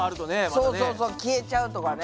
そうそうそう消えちゃうとかね。